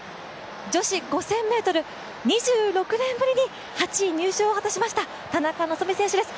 女子５０００ｍ、２６年ぶりに８位入賞を果たしました、田中希実選手です。